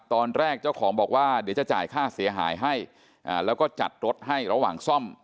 ตอนแรกเจ้าของบอกว่าเดี๋ยวจะจ่ายค่าเสียหายให้แล้วก็จัดรถให้ระหว่างซ่อม